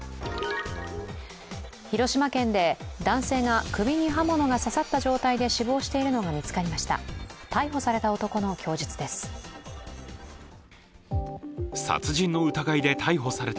広島県で男性が首に刃物が刺さった状態で死亡しているのが見つかりました。